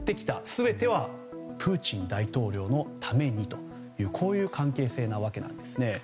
全てはプーチン大統領のためにという関係性なわけなんですね。